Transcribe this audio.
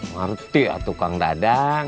ngerti ya tukang dadang